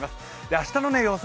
明日の予想